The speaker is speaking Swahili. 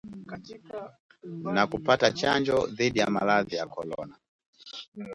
na kupata chanjo dhidi ya maradhi ya korona